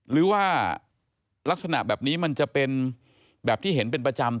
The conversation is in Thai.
ลักษณะแบบนี้มันจะเป็นแบบที่เห็นเป็นประจำ